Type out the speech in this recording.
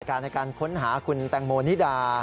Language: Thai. ในการค้นหาคุณแตงโมนิดา